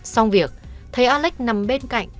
xong việc thấy alex nằm bên cạnh